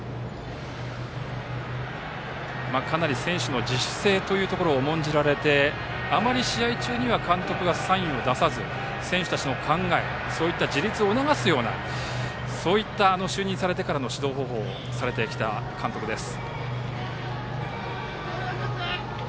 かなり選手の自主性というのを重んじられてあまり試合中には監督はサインを出さず選手たちの考え自立を促すような就任されてから、指導方法をされてきた監督です。